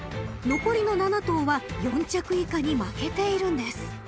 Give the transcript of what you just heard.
［残りの７頭は４着以下に負けているんです］